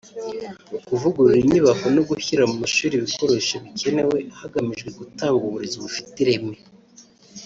kuvugurura inyubako no gushyira mu mashuri ibikoresho bikenewe hagamijwe gutanga uburezi bufite ireme